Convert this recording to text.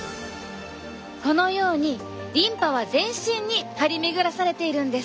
このようにリンパは全身に張り巡らされているんです。